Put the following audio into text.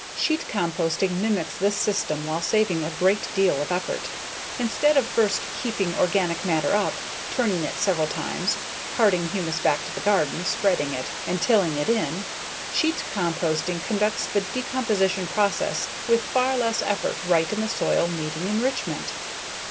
Sheet composting mimics this system while saving a great deal of effort. Instead of first heaping organic matter up, turning it several times, carting humus back to the garden, spreading it, and tilling it in, sheet composting conducts the decomposition process with far less effort right in the soil needing enrichment.